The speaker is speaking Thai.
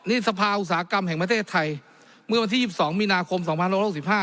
นี่สภาอุตสาหกรรมแห่งประเทศไทยเมื่อวันที่ยี่สิบสองมีนาคมสองพันร้อยหกสิบห้า